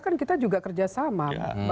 kan kita juga kerja sama